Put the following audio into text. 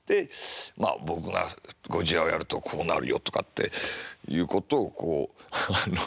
まあ僕がゴジラをやるとこうなるよとかっていうことをこうあの全部。